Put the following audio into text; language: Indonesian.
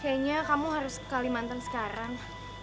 kayaknya kamu harus ke kalimantan sekarang